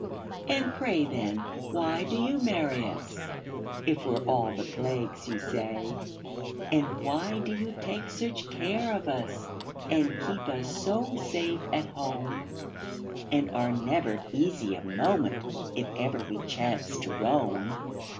And pray, then, why do you marry us, If we're all the plagues you say? And why do you take such care of us, And keep us so safe at home, And are never easy a moment If ever we chance to roam?